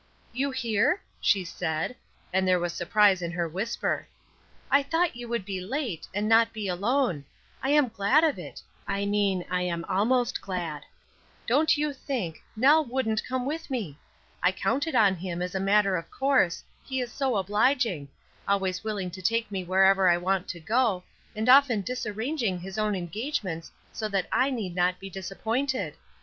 "You here?" she said, and there was surprise in her whisper. "Thought you would be late, and not be alone. I am glad of it I mean I am almost glad. Don't you think, Nell wouldn't come with me! I counted on him as a matter of course, he is so obliging always willing to take me wherever I want to go, and often disarranging his own engagements so that I need not be disappointed.